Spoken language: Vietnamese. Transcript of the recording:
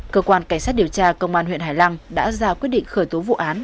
cơ quan cảnh sát điều tra công an huyện hải lăng đã ra quyết định khởi tố vụ án